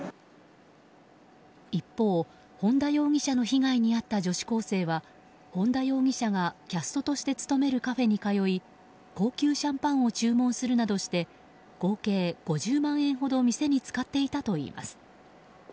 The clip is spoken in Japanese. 一方、本田容疑者の被害に遭った女子高生は本田容疑者がキャストとして勤めるカフェに通い、高級シャンパンを注文するなどして合計５０万円ほどを店に使っていたといいます。